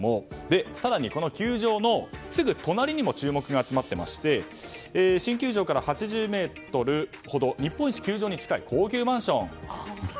更にこの球場のすぐ隣にも注目が集まっていまして新球場から８０ｍほど日本一球場に近い高級マンション。